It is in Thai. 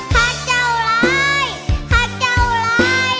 หักเจ้าหลายหักเจ้าหลาย